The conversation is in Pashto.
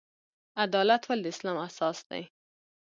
عدالت ولې د اسلام اساس دی؟